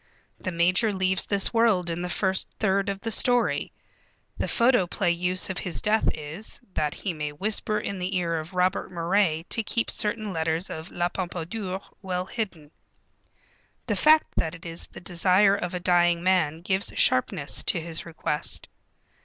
The major leaves this world in the first third of the story. The photoplay use of his death is, that he may whisper in the ear of Robert Moray to keep certain letters of La Pompadour well hidden. The fact that it is the desire of a dying man gives sharpness to his request.